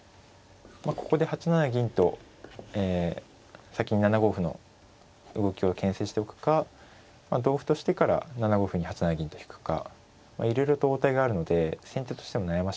まあここで８七銀と先に７五歩の動きをけん制しておくか同歩としてから７五歩に８七銀と引くかいろいろと応対があるので先手としても悩ましいですね。